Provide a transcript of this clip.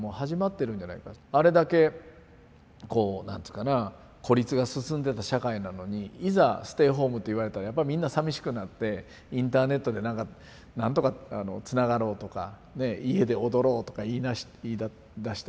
あれだけこう何ていうかな孤立が進んでた社会なのにいざステイホームって言われたらやっぱみんなさみしくなってインターネットでなんか何とかつながろうとか家で踊ろうとか言いだした。